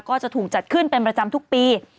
ก็จะถูกจัดขึ้นเป็นประจำทุกปี